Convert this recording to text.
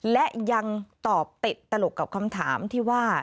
และยังตอบติดตลกกับคำถามที่ว่า